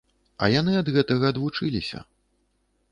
А яны ад гэтага адвучыліся.